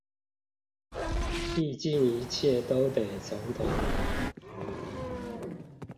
畢竟一切都得從頭來